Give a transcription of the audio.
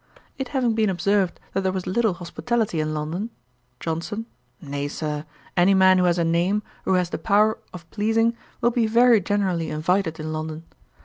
It having been observed that there was little hospitality in London; JOHNSON. 'Nay, Sir, any man who has a name, or who has the power of pleasing, will be very generally invited in London.